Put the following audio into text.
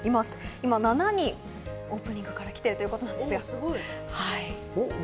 今７人、オープニングからきているということです。